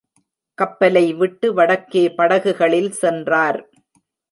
கப்பலை விட்டு வடக்கே படகுகளில் சென்றார்.